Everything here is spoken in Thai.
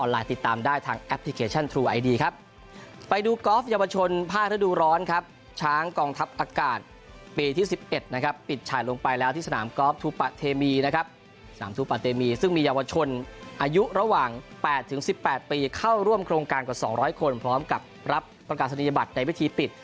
เริ่มโครงการกว่าสองร้อยคนพร้อมกับรับประกาศนิยบัตรในพิธีปิด